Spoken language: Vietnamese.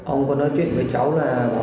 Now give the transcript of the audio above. ông có nói chuyện với cháu là bảo